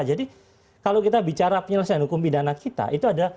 jadi kalau kita bicara penyelesaian hukum pidana kita itu ada